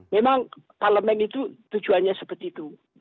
memang parlemen itu tujuannya seperti itu